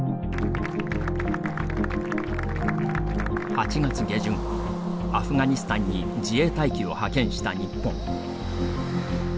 ８月下旬、アフガニスタンに自衛隊機を派遣した日本。